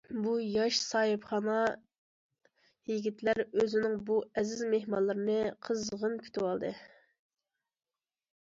بۇ ياش ساھىبخانا يىگىتلەر ئۆزىنىڭ بۇ ئەزىز مېھمانلىرىنى قىزغىن كۈتۈۋالدى.